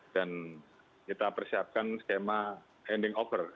dan kita persiapkan skema ending offer